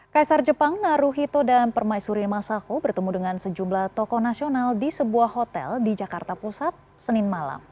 kaisar jepang naruhito dan permaisuri masaho bertemu dengan sejumlah tokoh nasional di sebuah hotel di jakarta pusat senin malam